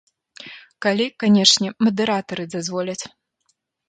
Калі, канечне, мадэратары дазволяць.